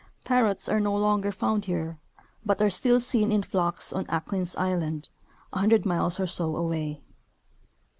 Parrots are no longer found here, but > are still seen in flocks on Acklins island, a hundred miles or so away.